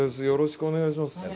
よろしくお願いします。